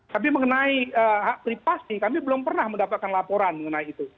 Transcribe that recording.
tapi mengenai hak privasi kami belum pernah mendapatkan laporan mengenai itu